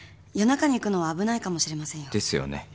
夜中に行くのは危ないかもしれませんよ。ですよね。